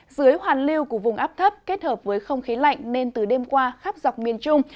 dưới hoàn lưu của vùng áp thấp kết hợp với không khí lạnh nên từ đêm qua khắp dọc miền trung